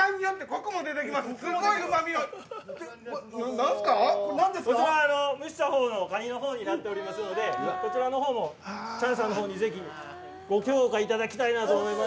こちら、蒸したほうのかにになっていますのでこちらのほうもチャンさんのほうにぜひ、ご評価いただきたいなと。